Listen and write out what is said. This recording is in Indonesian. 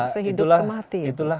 sehidup semati ya itulah